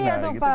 iya tuh pak